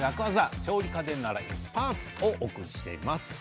調理家電ならイッパツをお送りしています。